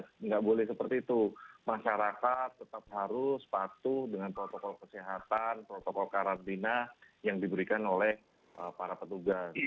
tidak boleh seperti itu masyarakat tetap harus patuh dengan protokol kesehatan protokol karantina yang diberikan oleh para petugas